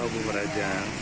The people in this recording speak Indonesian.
oh bumbu rajang